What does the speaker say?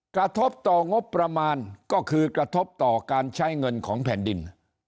กระทบต่องบประมาณก็คือกระทบต่อการใช้เงินของแผ่นดิน